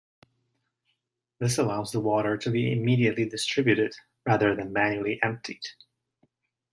This allows the water to be immediately distributed rather than manually emptied.